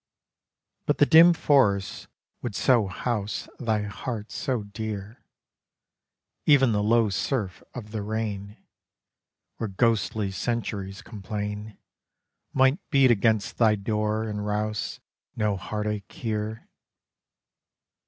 But the dim forest would so house Thy heart so dear, Even the low surf of the rain, Where ghostly centuries complain, Might beat against thy door and rouse No heartache here.